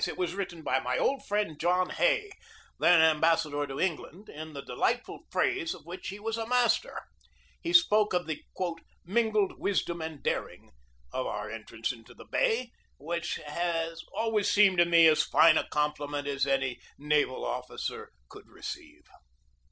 It was written by my old friend John Hay, then am bassador to England, in the delightful phrase of which he was a master. He spoke of the "mingled wisdom and daring" of our entrance into the bay, which has always seemed to me as fine a compliment as any naval officer could receive.